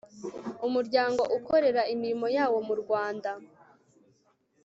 umuryango ukorera imilimo yawo mu rwanda